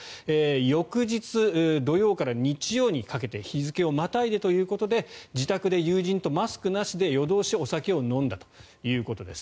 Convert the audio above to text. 翌日、土曜から日曜にかけて日付をまたいでということで自宅で友人とマスクなしで、夜通しお酒を飲んだということです。